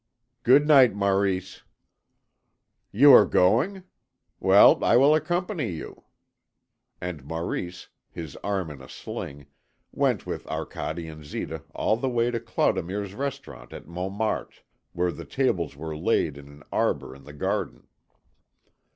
"Good night, Maurice." "You are going? Well, I will accompany you." And Maurice, his arm in a sling, went with Arcade and Zita all the way to Clodomir's restaurant at Montmartre, where the tables were laid in an arbour in the garden.